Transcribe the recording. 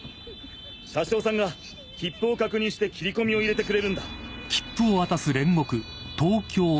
車掌さんが切符を確認してきりこみを入れてくれるんだ。